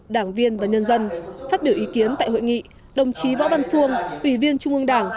đảng viên và nhân dân phát biểu ý kiến tại hội nghị đồng chí võ văn phuông ủy viên trung ương đảng